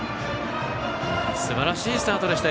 すばらしいスタートでした。